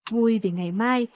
vui vì ngày mai